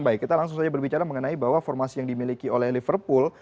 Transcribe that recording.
baik kita langsung saja berbicara mengenai bahwa formasi yang dimiliki oleh liverpool